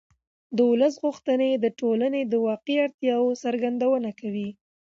د ولس غوښتنې د ټولنې د واقعي اړتیاوو څرګندونه کوي